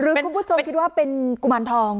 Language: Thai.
คุณผู้ชมคิดว่าเป็นกุมารทอง